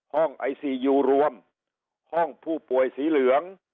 ห้องไอซียูรวมห้องผู้ป่วยสีเหลือง